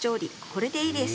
これでいいです。